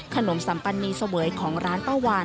สัมปันนีเสวยของร้านป้าวาน